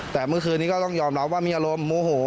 แต่เมื่อคืนนี้ก็ต้องยอมรับว่ามีอารมณ์โมโห